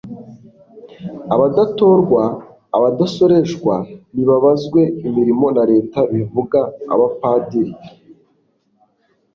Abadatorwa abadasoreshwa ntibabazwe imirimo na Leta bivuga Abapadir